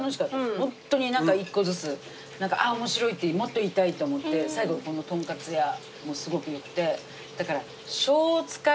ホンットに一個ずつ面白いもっといたいって思って最後このとんかつ屋もすごくよくてだから。